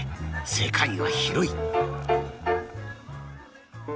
世界は広い！